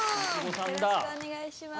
よろしくお願いします。